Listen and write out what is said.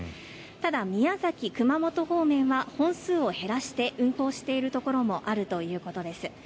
ただ、宮崎、熊本方面は本数を減らして運行しているところもあるということです。